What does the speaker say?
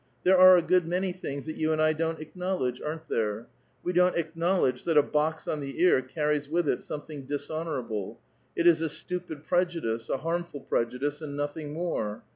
There are a good Sf^^y things that you and I don't acknowledge, aren't there? ^ clon't acknowledge that a box on the ear carries with it ^^J*i^thing dishonorable ; it is a stupid prejudice, a harm ^"^ "prejudice, and nothing more.